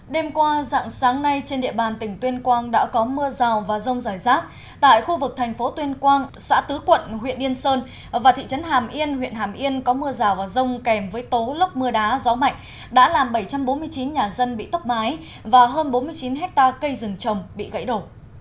đêm qua dạng sáng nay trên địa bàn tỉnh tuyên quang đã có mưa rào và rông rải rác tại khu vực thành phố tuyên quang xã tứ quận huyện yên sơn và thị trấn hàm yên huyện hàm yên có mưa rào và rông kèm với tố lốc mưa đá gió mạnh đã làm bảy trăm bốn mươi chín nhà dân bị tốc mái và hơn bốn mươi chín hectare cây rừng trồng bị gãy đổ